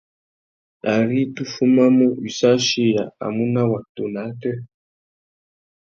Ari tu fumamú, wissú achiya a mù nà watu nà ātê.